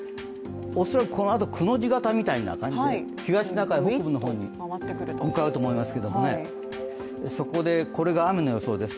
恐らく、このあと、くの字型みたいな感じで東シナ海北部の方に向かうと思いますけどそこでこれが雨の予想です。